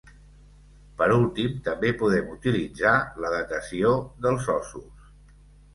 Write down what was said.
Per últim també podem utilitzar la datació dels ossos.